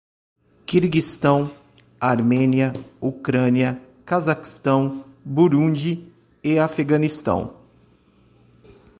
Quirguistão, Armênia, Ucrânia, Cazaquistão, Burundi e Afeganistão